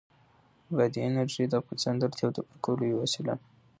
بادي انرژي د افغانانو د اړتیاوو د پوره کولو یوه وسیله ده.